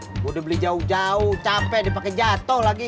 gue udah beli jauh jauh capek dipake jatoh lagi